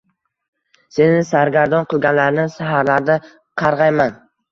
Seni sargardon qilganlarni saharlarda qarg‘ayman.